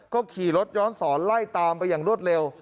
ก็ขี่รถย้อนสอนไล่ตามไปอย่างรวดเร็ว